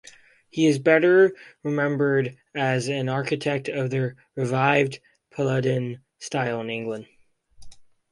He is better remembered as an architect of the revived Palladian style in England.